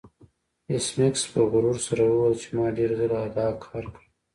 ایس میکس په غرور سره وویل چې ما ډیر ځله دا کار کړی